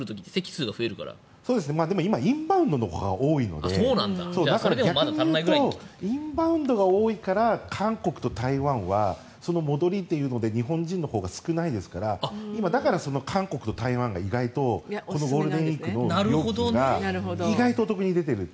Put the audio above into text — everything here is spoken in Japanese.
でも今、インバウンドのほうが多いので逆に言うとインバウンドが多いから韓国と台湾は戻りというので日本人のほうが少ないですから今、だから韓国と台湾が意外とこのゴールデンウィークの料金が意外とお得に出ていると。